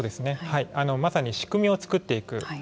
まさに仕組みを作っていく。